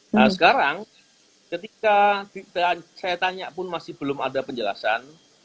nah sekarang ketika saya tanya pun masih belum ada penjelasan